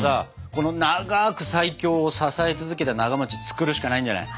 この「長ーく最強」を支えた続けたなが作るしかないんじゃない？